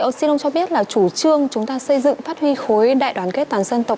ông xin ông cho biết là chủ trương chúng ta xây dựng phát huy khối đại đoàn kết toàn dân tộc